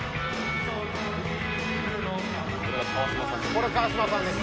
これ、川島さんです。